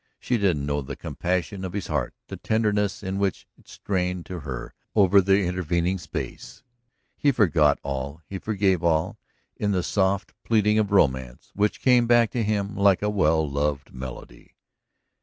She didn't know the compassion of his heart, the tenderness in which it strained to her over the intervening space. He forgot all, he forgave all, in the soft pleading of romance which came back to him like a well loved melody.